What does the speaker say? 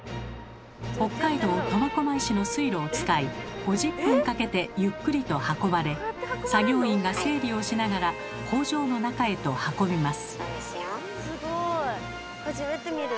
北海道苫小牧市の水路を使い５０分かけてゆっくりと運ばれ作業員が整理をしながら工場の中へと運びます。